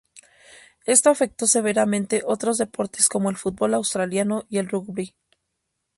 Esto afectó severamente otros deportes como el fútbol australiano y el rugby.